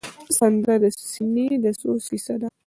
سندره د سینې د سوز کیسه ده